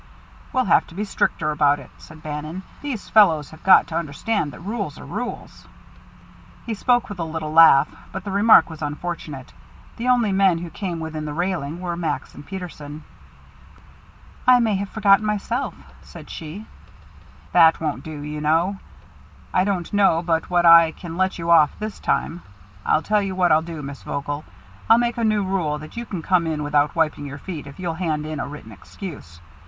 "We'll have to be stricter about it," said Bannon. "These fellows have got to understand that rules are rules." He spoke with a little laugh, but the remark was unfortunate. The only men who came within the railing were Max and Peterson. "I may have forgotten it, myself," she said. "That won't do, you know. I don't know but what I can let you off this time I'll tell you what I'll do, Miss Vogel: I'll make a new rule that you can come in without wiping your feet if you'll hand in a written excuse.